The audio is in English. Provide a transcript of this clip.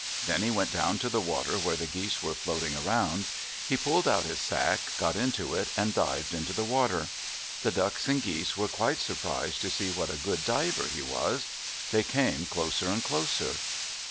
Then he went down to the water where the geese were floating around. He pulled out his sack, got into it, and dived into the water. The ducks and geese were quite surprised to see what a good diver he was. They came closer and closer.